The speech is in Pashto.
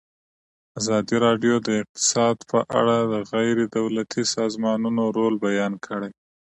ازادي راډیو د اقتصاد په اړه د غیر دولتي سازمانونو رول بیان کړی.